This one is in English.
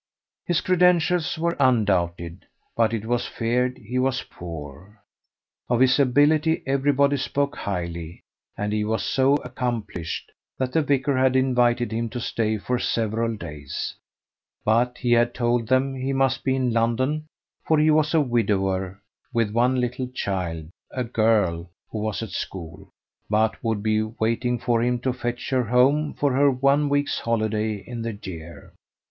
His credentials were undoubted, but it was feared he was poor. Of his ability everybody spoke highly, and he was so accomplished that the vicar had invited him to stay for several days; but he had told them he must be in London, for he was a widower, with one little child, a girl who was at school, but would be waiting for him to fetch her home for her one week's holiday in the year.